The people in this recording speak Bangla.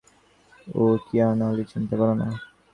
উ কিয়ানলি, চিন্তা করো না।